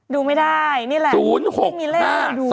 ดูไม่ได้นี่แหละ๐๖๕๒